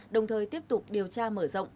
đồng thời tiếp tục điều tra mở rộng